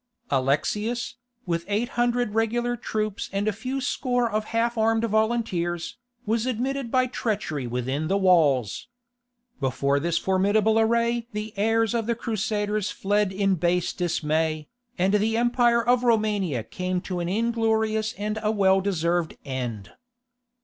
Alexius, with eight hundred regular troops and a few scores of half armed volunteers, was admitted by treachery within the walls. Before this formidable array the heirs of the Crusaders fled in base dismay, and the Empire of Romania came to an inglorious and a well deserved end.